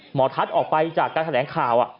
หมอทัศน์ออกไปจากการแถลงข่าว